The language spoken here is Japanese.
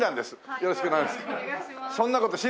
よろしくお願いします。